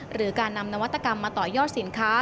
หรือการนำนวัตกรรมมาต่อยอดสินค้า